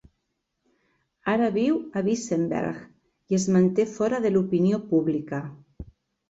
Ara viu a Vissenbjerg i es manté fora de l'opinió pública.